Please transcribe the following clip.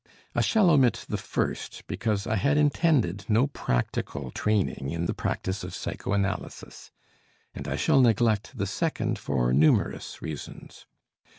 I shall omit the first because I had intended no practical training in the practice of psychoanalysis, and I shall neglect the second for numerous reasons.